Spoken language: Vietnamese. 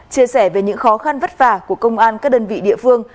chia sẻ về những khó khăn vất vả của công an các đơn vị địa phương